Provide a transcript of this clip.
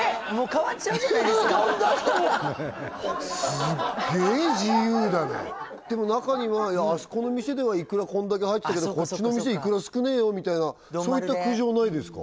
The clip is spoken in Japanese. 牛丼出してもすっげえ自由だなでも中にはあそこの店ではいくらこんだけ入ってたけどこっちの店いくら少ねえよみたいなそういった苦情ないですか？